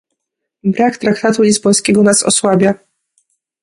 Brak traktatu lizbońskiego nas osłabia